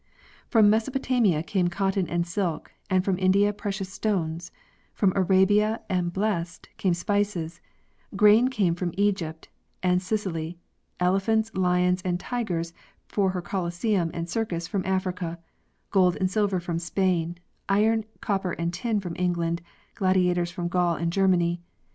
From Mesopotamia came cotton and silk and from India precious stones; from Arabia the Blest came spices; grain came from Egypt and Sicily, elephants, lions and tigers for her colosseum and circus from Africa, gold and silver from Spain, iron, copper and tin from England, gladiators from Gauland Germany.